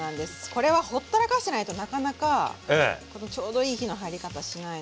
これはほったらかしてないとなかなかこのちょうどいい火の入り方しないので。